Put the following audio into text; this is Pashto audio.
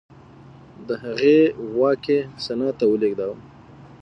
د هغې واک یې سنا ته ولېږداوه